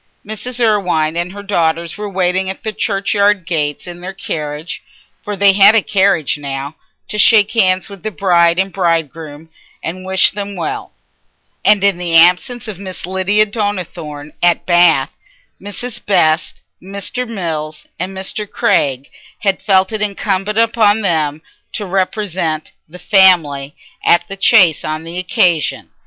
Mrs. Irwine and her daughters were waiting at the churchyard gates in their carriage (for they had a carriage now) to shake hands with the bride and bridegroom and wish them well; and in the absence of Miss Lydia Donnithorne at Bath, Mrs. Best, Mr. Mills, and Mr. Craig had felt it incumbent on them to represent "the family" at the Chase on the occasion.